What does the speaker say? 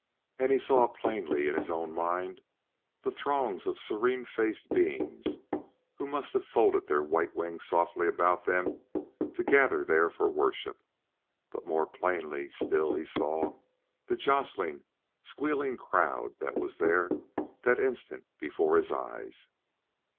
And he saw plainly in his own mind the throngs of serene faced beings who must have folded their white wings softly about them to gather there for worship. But more plainly still he saw the jostling, squealing crowd that was there that instant before his eyes.